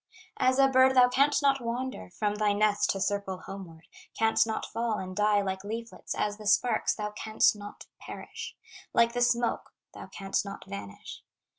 As a bird thou canst not wander From thy nest to circle homeward, Canst not fall and die like leaflets, As the sparks thou canst not perish, Like the smoke thou canst not vanish.